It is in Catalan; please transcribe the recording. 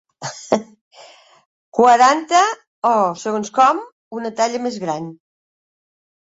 Quaranta o, segons com, una talla més gran.